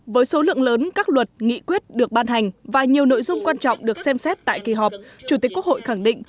với số lượng lớn các luật nghị quyết được ban hành và nhiều nội dung quan trọng được xem xét tại kỳ họp chủ tịch quốc hội khẳng định